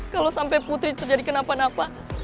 kalau sampai putri terjadi kenapa napa